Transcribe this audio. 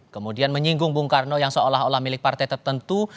kemudian menyinggung bung karno yang seolah olah milik partai tertentu